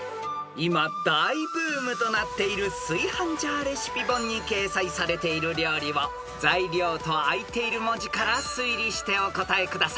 ［今大ブームとなっている炊飯ジャーレシピ本に掲載されている料理を材料とあいている文字から推理してお答えください］